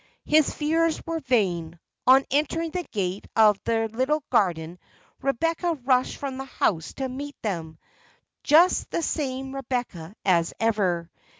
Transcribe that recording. His fears were vain. On entering the gate of their little garden, Rebecca rushed from the house to meet them: just the same Rebecca as ever.